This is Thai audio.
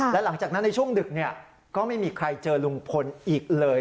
และหลังจากนั้นในช่วงดึกก็ไม่มีใครเจอลุงพลอีกเลย